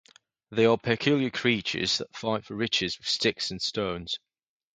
They are peculiar creatures that fight for riches with sticks and stones.